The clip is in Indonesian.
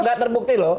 gak terbukti loh